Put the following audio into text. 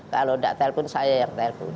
kalau gak telepon saya yang telepon